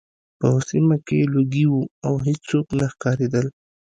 په سیمه کې لوګي وو او هېڅوک نه ښکارېدل